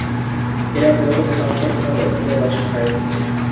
এরা মূলত পোকামাকড়, ফল ও ফুলের রস খায়।